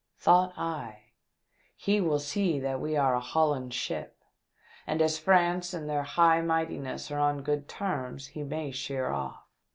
Thought I, he will see that we are a Holland ship, and as France and their High Mightinesses are on good terms he may sheer off.